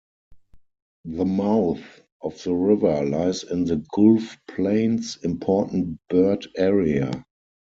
The mouth of the river lies in the Gulf Plains Important Bird Area.